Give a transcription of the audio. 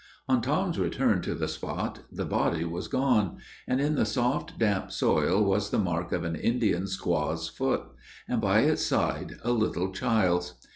On Tom's return to the spot, the body was gone; and in the soft, damp soil was the mark of an Indian squaw's foot; and by its side, a little child's.